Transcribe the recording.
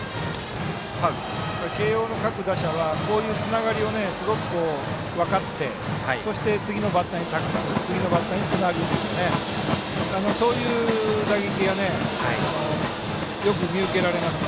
慶応の各打者はこういうつながりをよく分かってそして、次のバッターに託す次のバッターにつなぐそういう打撃がよく見受けられますね。